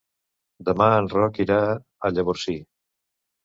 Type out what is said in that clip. Demà en Roc irà a Llavorsí.